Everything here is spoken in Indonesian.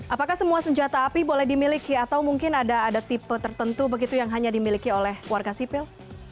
apakah semua senjata api boleh dimiliki atau mungkin ada tipe tertentu begitu yang hanya dimiliki oleh warga sipil